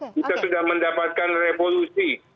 kita sudah mendapatkan revolusi